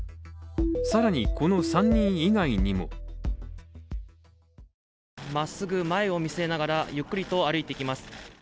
さらに、この３人以外にもまっすぐ前を見据えながらゆっくりと歩いてきます。